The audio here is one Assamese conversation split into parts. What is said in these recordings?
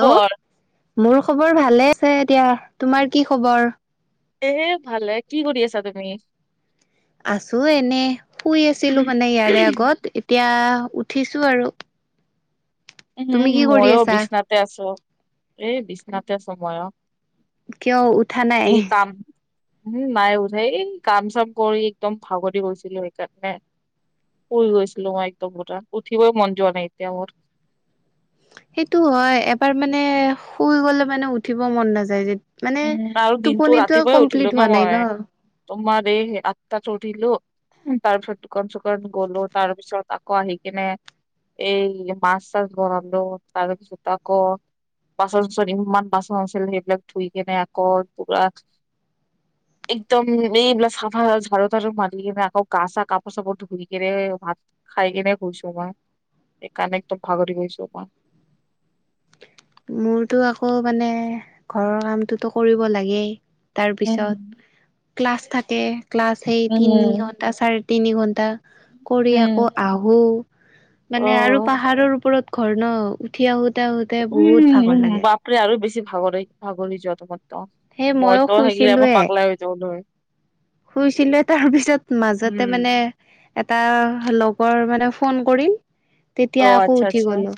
খবৰ [unintelligible] মোৰ খবৰ ভালে আছে দিয়া। তোমাৰ কি খবৰ? এ ভালে। কি কৰি আছা তুমি? আছো এনে, শুই আছিলো মানে ইয়াৰে আগত এতিয়া উঠিছো আৰু। উম, তুমি উম, কি কৰি মইও আছা? বিচনাতে আছোঁ, এই বিছনাতে আছোঁ মইও। কিয় উঠা নাই? যি কাম। উম, নাই উঠা এই কাম-চাম কৰি একদম ভাগৰি গৈছিলোঁ সেইকাৰণে। শুই গৈছিলোঁ মই একদম পুৰা, উঠিবই মন যোৱা নাই এতিয়া মোৰ। সেইটো হয় এবাৰ মানে শুই গলে মানে উঠিব মন নাযায়, যে মানে উম আৰু দিনটো টোপনিতো ৰাতিপুৱাই উঠিলো কমপ্লিট হোৱা নাই মই ন। তোমাৰ এই আঠটাত উঠিলোঁ। তাৰপিছত দোকান-চোকন গ'লো, তাৰ পিছত আকৌ আহি কিনে এই মাছ-চাছ বনালো। তাৰপিছত আকৌ বাচন-চাচন ইমান বাচন আছিল, সেইবিলাক ধুই কেনে আকৌ পুৰা [inaudible] একদম এইবিলাক চাফা ঝাৰু-টাৰু মাৰি কিনে, আকৌ গা-চা, কাপোৰ-চাপোৰ ধুই কিনে ভাত খাই কিনে গৈছোঁ মই, এই কাৰণে একদম ভাগৰি গৈছোঁ মই। মোৰতো আকৌ মানে, ঘৰৰ কামটোতো কৰিব লাগেই। উম তাৰপিছত ক্লাছ থাকে, ক্লাছ সেই উম তিনি ঘন্টা, চাৰে তিনি ঘন্টা। কৰি আকৌ উম। আহোঁ, অ মানে আৰু পাহাৰৰ ওপৰত ঘৰ ন। উঠি আহোঁতে, আহোঁতে। উম, উম, বাপৰে আৰু বেছি ভাগৰে, ভাগৰি যোৱা দাখন ত' সেই মইও মইতো থাকিলে মই পাগলাই হৈ যাই গ'লো হয়। শুইছিলো, তাৰ পিছত মাজতে উম মানে এটা লগৰ মানে ফোন কৰিল, অ তেতিয়া আকৌ আচ্ছা উঠি আচ্ছা গ'লো।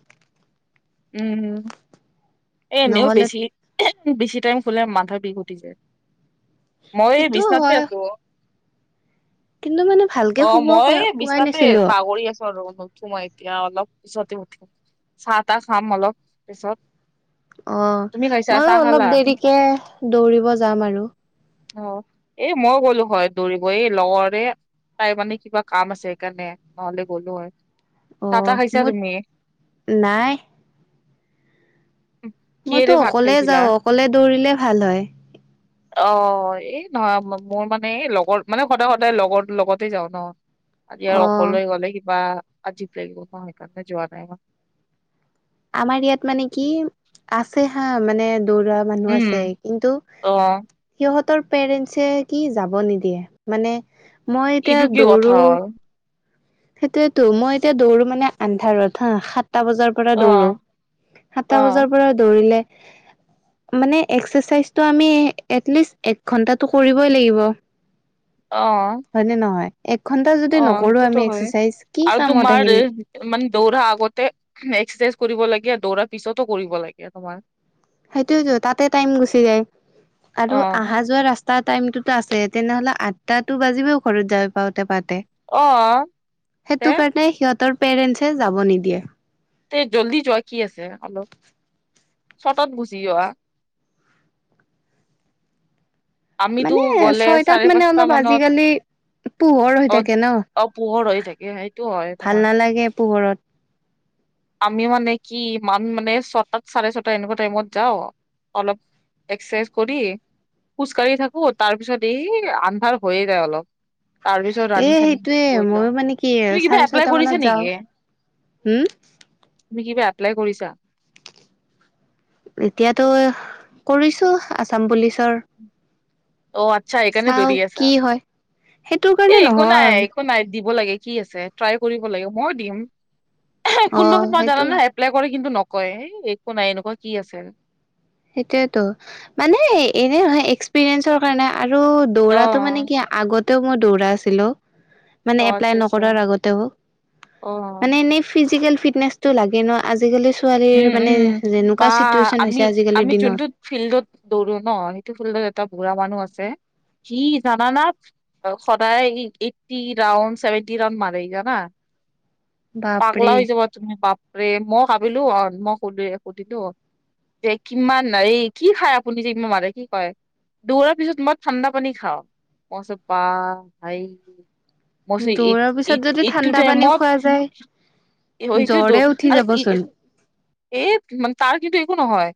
উম, এ এনেও নহ'লে বেছি-বেছি টাইম শুলে মাথাৰ বিষ উঠি যায়। মই সেইটোও বিচনাতে হয় আছোঁ। কিন্তু মানে ভালকে অ', শুব মই পোৱাই বিচনাতে নাছিলো বাগৰি আছোঁ আৰু অলপ সময়। এতিয়া অলপ পিছতে উঠিম। চাহ-তাহ খাম অলপ পিছত। অ', তুমি খাইছা ময়ো চাহ খালা অলপ দেৰিকে দৌৰিব যাম আৰু। অ', এই মই গ'লো হয় দৌৰিব, এই লগৰে তাই মানে কিবা কাম আছে সেইকাৰণে, নহ'লে গ'লো হয়। চাহ তাহ অ', খাইছা মোৰ তুমি? নাই। মইতো কিহেৰে ভাত অকলে খাইছিলা? যাওঁ, অকলে দৌৰিলে ভাল হয়। অ', এই নহয়, মোৰ মানে লগৰ মানে, সদায়-সদায় লগৰ লগতে যাওঁ ন। আজি আৰু অ অকলে গ'লে কিবা, আজিব লাগিব ন, সেইকাৰণে যোৱা নাই মই। আমাৰ ইয়াত মানে কি, আছে হা মানে দৌৰত মানুহ আছে উম কিন্তু অ সিহঁতৰ পেৰেণ্টছে কি যাব নিদিয়ে। মানে মই এতিয়া এইটো কি কথা দৌৰো হ'ল সেইটোয়েতো। মই এতিয়া দৌৰো মানে আন্ধাৰত হা, সাতটা বজাৰ পৰা অ দৌৰো, অ সাতটা বজাৰ পৰা দৌৰিলে মানে এক্সাৰচাইজটো আমি এটলিষ্ট এক ঘন্টাটো কৰিবই লাগিব। [inaudible] অ', হয়নে নহয়? এক ঘণ্টা যদি অ নকৰোঁ সেইটোতো আমি হয় এক্সাৰচাইজ কি আৰু কামত তোমাৰ আহিল মানে দৌৰাৰ আগতে এক্সাৰচাইজ কৰিব লাগে, দৌৰাৰ পিছতো কৰিব লাগে তোমাৰ। সেইটোয়েতো, তাতে টাইম গুচি যায় অ আৰু আহা যোৱা ৰাস্তা টা টাইমটোতো আছে, তেনেহ'লে আঠটাটো বাজিবই ঘৰত যাই পাওঁতে-পাওঁতে। অ', তে? নাই, সিহঁতৰ পেৰেণ্টছে যাব নিদিয়ে। তে যল্দি যোৱা কি আছে অলপ, চটত গুচি যোৱা। আমিতো মানে গ'লে ছয়টাত চাৰে মানে পাঁচটা অলপ মানত আজিকালি পোহৰ হৈ অ থাকে ন, অ পোহৰ হৈ থাকে সেইটো হয় ভাল তোমাৰ নালাগে পোহৰত। [inaudible] আমি মানে কি ইমান মানে ছটাত, চাৰে ছটা এনেকুৱা টাইমত যাওঁ, অলপ এক্সাৰচাইজ কৰি খোজকাঢ়ি থাকোঁ, তাৰপিছত এই আন্ধাৰ হৈয়ে যায় অলপ। তাৰ পিছত এ ৰানিং চানিং সেইটোৱে, কৰি লওঁ ময়ো মানে কি তুমি কিবা চাৰে এপ্লাই ছয়টা কৰিছা মানত যাওঁ। নেকি উম, তুমি কিবা এপ্লাই কৰিছা? এতিয়াতো কৰিছো আছাম পুলিচৰ। অ', আচ্চা, সেইকাৰণে চাও দৌৰি আছা কি হয়। সেইটো এ কাৰণে একো নাই নহয় একো নাই দিব লাগে কি আছে। ট্ৰাই কৰিব লাগিব, মই দিম অ কোনটো সময় ত মই সেইটো জানা হয়। নে? এপ্লাই কৰে কিন্তু নকয় একো নাই এনেকুৱা কি আছে। সেইটোয়েতো মানে এনে নহয় এক্সপিৰিয়েঞ্চৰ কাৰণে আৰু অ দৌৰাতটো মানে কি? আগতেও মই দৌৰা আছিলো। মানে অ এপ্লাই আচ্ছা আচ্ছা নকৰাৰ আগতেও, অ মানে এনেই ফিজিকেল ফিটনেচটো লাগে ন। আজিকালি ছোৱালীৰ উম মানে উম বা যেনেকুৱা চিটুৱেচন আমি হৈছে। আজিকালিৰ আমি দিনত যোনটো ফিল্ডত দৌৰো ন সেইটো ফিল্ডত এটা বুঢ়া মানুহ আছে। কি জানানা? সদায় এইটটি ৰাউন ছেভেনটি ৰাডন মাৰে জানা। বাপৰে পাগলাও হৈ যাবা, তুমি বাপৰে মই ভাবিলো অ মই সুধিল সুধিলো। যে কিমান এই কি খায় আপুনি যে কিমান মানে কি কৰে? দৌৰাৰ পিছত মই ঠাণ্ডা পানী খাওঁ। মই কৈছোঁ ভা ভাই। মই কৈছোঁ দৌৰাৰ পিছত যদি এইট-এইট-এইটো ঠাণ্ডা পানী টাইমত খোৱা যায় এইটোৱেতো জ্বৰে উঠি আৰু ই যাবচোন এই মানে তাৰ কিন্তু একো নহয়।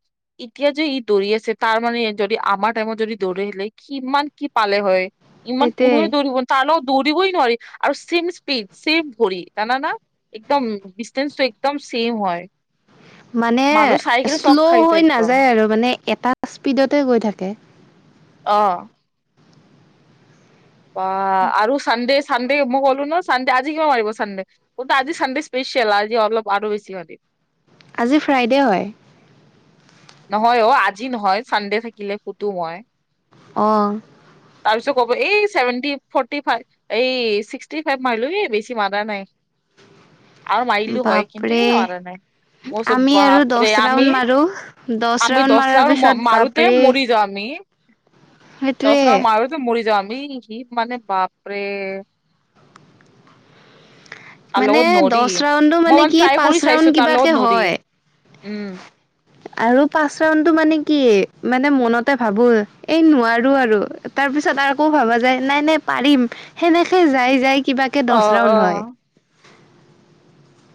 এতিয়া যে ই দৌৰি আছে তাৰমানে যদি আমাৰ টাইমত যদি দৌৰিলে কিমান কি পালে হয়। ইমান সেইটোয়ে কোনোৱে দৌৰিব তাৰ লগত দৌৰিবই নোৱাৰি আৰু চেইম স্পিড, চেম ভৰি জানানা? একদম ডিষ্টেন্ঞ্চটো একদম চেইম হয়। মানে মানুহ চাই কিনে চক শ্ল' খাই যায় হৈ একদম নাযায় আৰু মানে এটা স্পীডতে গৈ থাকে। অ'। বা আৰু সন্দেশ চানডে মই ক'লো ন' চানডে আজি কিবা মাৰিব চানডে কিন্তু আজি চানডে স্পেচিয়েল, আজি অলপ আৰু বেছি মাৰিব। আজি ফ্ৰাইডে হয়। নহয় অ' আজি নহয়, চানডে থাকিলে ফুতো মই। অ'। তাৰপিছত ক'ব এই ছেভেনটি, ফৰ্টি ফাইভ। এই চিক্সটি ফাইভ মাৰিলো, এই বেছি মাৰা নাই। [inaudible] আৰু মৰিলোঁ হয় কিন্তু বাপৰে এই মাৰা নাই, মই কৈছোঁ আমি আৰু দহ বাপৰে আমিৰ [unintelligible] আমি মাৰাৰ দছটা পিছত মাৰোঁতে বাপৰে মৰি যাওঁ আমি। দছ সেইটোয়ে ৰাউণ্ড মাৰোঁতে মৰি যাম আমি, সি মানে বাপৰে। মানে তাৰলগত নৰি, দহ ৰাউণ্ডো মই মানে কি ট্ৰাই পাঁচ কৰি ৰাউণ্ড চাইছোঁ তাৰ কিবাকে লগত নৰি, হয় উম। আৰু পাচ ৰাউণ্ডটো মানে কি, মানে মনতে ভাবো এই নোৱাৰো আৰু। তাৰপিছত আকৌ ভাবা যায় নাই নাই পাৰিম সেনেকে যাই যাই কিবাকে অ দছ অ ৰাউণ্ড হয়।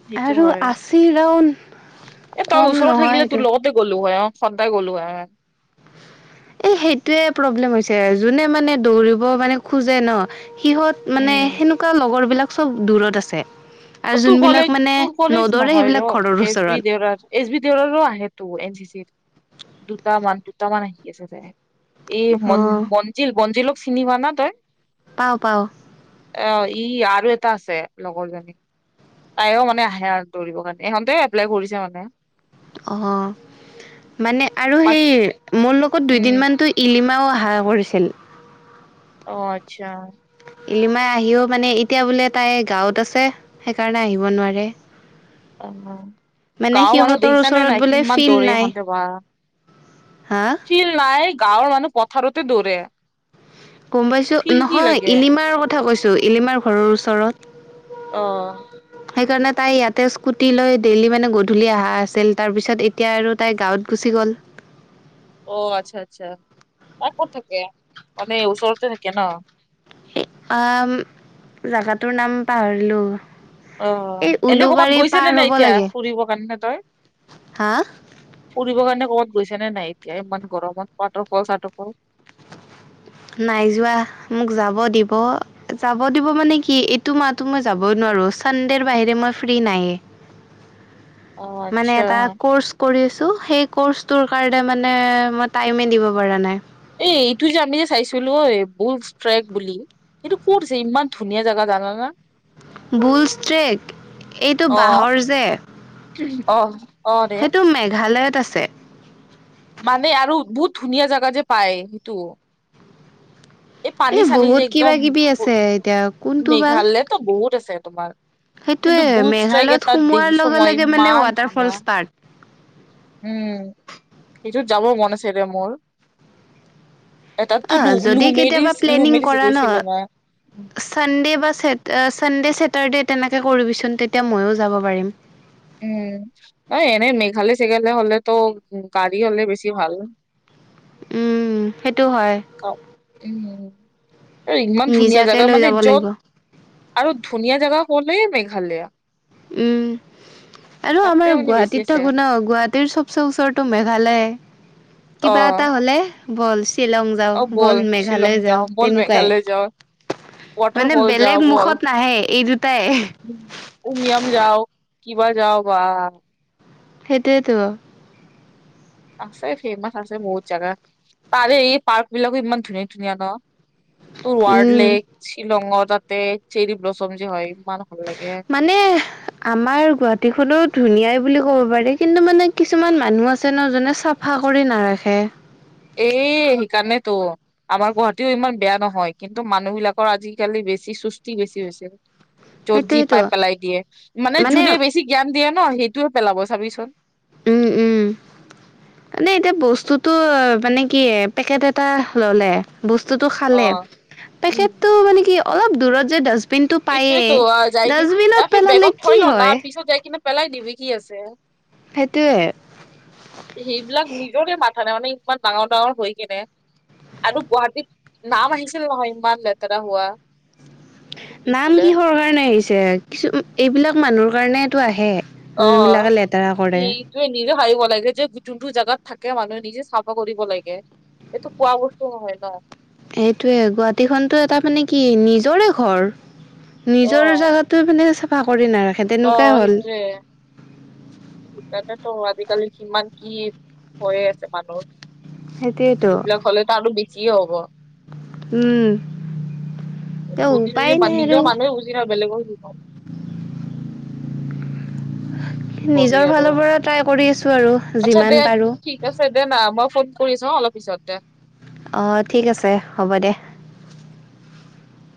সেইটো আৰু হয়। আশী ৰাউণ্ড এ, তই কম ওচৰত নহয় থাকিলে তোৰ এইটো লগত গ'লোঁ হয়, অ' চদাই গ'লোঁ হয়। [inaudible] এই সেইটোৱে প্ৰব্লেম হৈছে, যোনে মানে দৌৰিব মানে খোজে ন' সিহঁত মানে উম সেনেকুৱা লগৰবিলাক চব দূৰত আছে। অ আৰু তোৰ কলেজ যোনবিলাক মানে তোৰ নদৰে সেইবিলাক ঘৰৰ ওচৰত। এচ বি দেউলৰো আহেতো এন চি চিত, দুটামান দুটামান আহি আছে যে। এই অ মন মঞ্জিল মঞ্জিলক চিনি পোৱানা তই? পাওঁ পাওঁ। অ' ই আৰু এটা আছে লগৰজনী। তাইও মানে আহে আৰু দৌবৰ কাৰণে, সিহঁতে এপ্লাই কৰিছে মানে। অ' মানে আৰু সেই বাকী মোৰ লগত উম দুইদিন মান তই ইলিমাও আহা কৰিছিল। অ' আচ্ছা। ইলিমাই আহিও মানে এতিয়া বোলে তাই গাঁৱত আছে। সেইকাৰণে আহিব নোৱাৰে। অ মানে গাঁৱৰ মানুহ সিহঁতৰ দেখিছানে ওচৰত নাই বোলে কিমান ফিল্ড দৌৰে নাই। ইহঁতে হা? ফিল নাই, গাঁৱৰ মানুহ পথাৰতে দৌৰে। গম পাইছোঁ, ফিল্ড কি নহয় লাগে ইলিমাৰ কথা কৈছোঁ, ইলিমাৰ ঘৰৰ ওচৰত। অ'। সেইকাৰণে তাই ইয়াতে স্কুটি লৈ ডেইলি মানে গধূলি আহা আছিল তাৰপিছত এ এতিয়া আৰু তাই গাঁৱত গুচি গ'ল। অ' আচ্ছা আচ্ছা, তাই ক'ত থাকে, মানে ওচৰতে থাকে ন'? ই আ, জাগাটোৰ নাম পাহৰিলোঁ। অ' এনে ক'বাত গৈছেনে নাই হ'ব এতিয়া লাগে ফুৰিবৰ কাৰণে তই? হা ফুৰিবৰ কাৰণে ক'বাত গৈছে নে নাই এতিয়া ইমান গৰমত ৱাটাৰফল চোৱাটাৰফল! নাই যোৱা, মোক যাব দিব। যাব দিব মানে কি এইটো মাহতো মই যাবই নোৱাৰো চানডেৰ বাহিৰে মই ফ্ৰী নায়ে। অ', মানে আচ্ছা এটা ক'ৰ্চ কৰি আছো সেই ক'ৰ্চটোৰ কাৰণে মানে মই টাইমে দিব পৰা নাই। এই এইটো যে আমি যে চাইছিলো ঐ বুল ষ্টেক বুলি। সেইটো ক'তছে ইমান ধুনীয়া জাগা জানা না? বুল ষ্ট্ৰেক এইটো অ', বাঁহৰ যে? অ'। অ', দে সেইটো মেঘালয়ত আছে। মানে আৰু বহুত ধুনীয়া জাগা যে পায় সেইটো। এই এ পানী চানী যে বহুত কিবা একদম কিবি আছে এতিয়া কোনটো বা মেঘালয়তো বহুত আছে তোমাৰ। কিন্তু সেইটোয়ে বুল ষ্ট্ৰেক মেঘালয়ত এটাত সোমোৱাৰ দেখিছো লগে মই লগে মানে ইমান ৱাটাৰফল ধুনীয়া। ষ্টাৰ্ট উম, সেইটোত যাব মন আছে ৰে মোৰ। এটাতো অ যদি কেতিয়াবা লু-লুমেৰিচ লুমেৰিচ গৈছিলো মই। ছানডে বা ছানডে ছেট আ ছেটাৰডে তেনেকে কৰিবিচোন তেতিয়া মইয়ো যাব পাৰিম। উম, এই এনেই মেঘালয় চেঘালয় হ'লেতো গাড়ী হ'লে বেছি ভাল। উম, সেইটো হয়। উম, ইমান ধুনীয়া নিজাকে জাগা লৈ মানে যাব য'ত লাগিব আৰু ধুনীয়া জেগা ক'লেই মেঘালয়া। উম। আৰু তাতে আমাৰ মানে বেছি গুৱাহাটীত আছে থাকো ন গুৱাহাটীৰ চবচে ওচৰতটো মেঘালয়াই। অ কিবা এটা হ'লে ব'ল শ্বিলং যাওঁ অ ব'ল শ্বিলং মেঘালয় যাওঁ যাও বল তেনেকুৱাই। মেঘালয় যাও মানে ৱাটাৰফল যাও বেলেগ বল মুখত নাহে এই দুটাই আহে। উমিয়াম যাওঁ কিবা যাওঁ বা। সেইটোয়েতো। আছে ফেৰ্মাচ আছে বহুত জাগা। তাৰে এই পাৰ্কবিলাকো ইমান ধুনীয়া ধুনীয়া ন? তোৰ ৱাৰ্ড উম লেক। শ্বিলঙৰ তাতে চেৰি ব্লচম যে হয় ইমান ভাল লাগে। মানে আমাৰ গুৱাহাটীখনো ধুনীয়াই বুলি ক'ব পাৰি। কিন্তু মানে কিছুমান মানুহ আছে ন যোনে চাফা কৰি নাৰাখে। এই সেইকাৰণেতো। আমাৰ গুৱাহাটীও ইমান বেয়া নহয়। কিন্তু মানুহবিলাকৰ আজিকালি বেছি চুষ্টি বেছি হৈছে। [inaudible] য'ত যি পাই পেলাই দিয়ে। মানে যোনে বেছি জ্ঞান দিয়ে ন সেইটোয়ে পেলাব চাবিচোন। উম, উম। মানে এতিয়া বস্তুটো মানে কি পেকেট এটা ল'লে। বস্তুটো অ খালে, উম পেকেটো মানে কি অলপ দূৰত যায় ডাষ্ট এইটোয়েতো যায় কিনি পেলালে বেগত কি থৈয় ল ন হয় পিছত যায় কিনে পেলাই দিবি কি আছে। সেইটোৱে। সেইবিলাক নিজৰে মাথা নাই মানে ইমান ডাঙৰ ডাঙৰ হৈ কেনে। আৰু গুৱাহাটীত নাম আহিছিল নহয় ইমান লেতেৰা হোৱা। নাম বোলে কিহৰ কাৰণে আহিছে, কিছু এইবিলাক মানুহৰ কাৰণটো আহে। অহ যোনবিলাকে লেতেৰা কৰে পিক চবে নিজে ভাবিব লাগে যে যোনটো জাগাত থাকে মানুহে নিজে চাফা কৰিব লাগে। এইটো কোৱা বস্তু নহয় ন। এইেটোৱে গুৱাহাটীখনতো এটা মানে কি নিজৰে ঘৰ। অ নিজৰ জেগাত টো মানে চাফা কৰি নাৰাখে। তেনেকুৱাই অ', হ'ল সেইটোৱে। সেইকাৰণেতো আজিকালি কিমান কি হৈয়ে আছে মানুহৰ সেইটোৱেতো হ'লে ত আৰু বেছিয়ে হ'ব উম তে বুজিলি উপায় যে বা নাই আৰু নিজৰ মানুহে বুজি নাপায়। বেলেগ আৰু কি কম [inaudible] কি কবি নিজৰ আৰু ফালৰ পৰা ট্ৰাই কৰি আছো আৰু আচ্ছা যিমান পাৰো ঠিক দে আছে দে না মই ফোন কৰিছো অলপ পিছত দে অ ঠিক আছে হ'ব দে